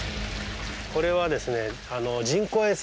これはですね